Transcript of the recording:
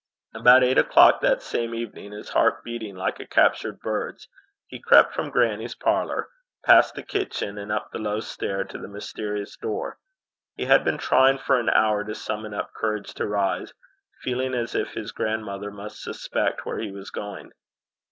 About eight o'clock that same evening, his heart beating like a captured bird's, he crept from grannie's parlour, past the kitchen, and up the low stair to the mysterious door. He had been trying for an hour to summon up courage to rise, feeling as if his grandmother must suspect where he was going.